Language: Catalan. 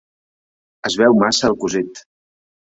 Es veu massa el cosit.